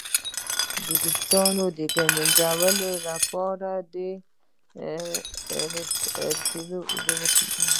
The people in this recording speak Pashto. د ویښتو د مینځلو لپاره د ریټې او اوبو ګډول وکاروئ